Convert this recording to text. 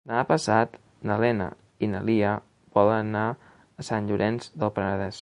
Demà passat na Lena i na Lia volen anar a Llorenç del Penedès.